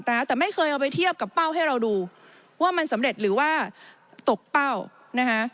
แต่ไม่เคยเอาไปเทียบกับเป้าให้เราดูว่ามันสำเร็จหรือว่าตกเป้านะคะ